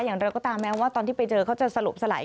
อย่างไรก็ตามแม้ว่าตอนที่ไปเจอเขาจะสลบสลาย